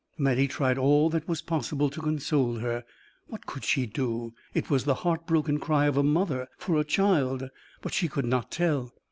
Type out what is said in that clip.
Mattie tried all that was possible to console her. What could she do? It was the heartbroken cry of a mother for a child; but she could not tell.